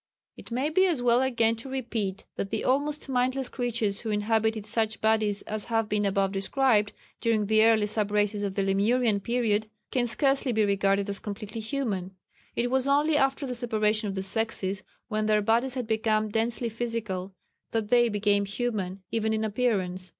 ] It may be as well again to repeat that the almost mindless creatures who inhabited such bodies as have been above described during the early sub races of the Lemurian period can scarcely be regarded as completely human. It was only after the separation of the sexes, when their bodies had become densely physical, that they became human even in appearance.